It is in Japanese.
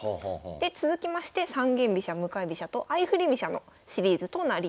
で続きまして三間飛車向かい飛車と相振り飛車のシリーズとなりました。